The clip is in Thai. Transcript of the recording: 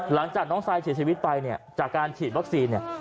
หลังจากน้องชายเสียชีวิตไปจากการฉีดวัคซีน